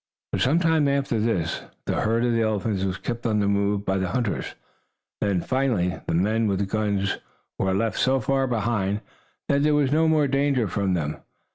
For some time after this, the herd of elephants was kept on the move by the hunters. Then, finally, the men with guns were left so far behind that there was no more danger for them.